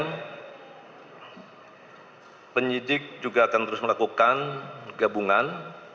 kemudian penyidik juga akan terus melakukan gabungan